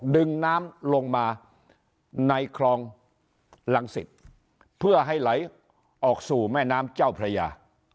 ดึงน้ำลงมาในคลองรังสิตเพื่อให้ไหลออกสู่แม่น้ำเจ้าพระยา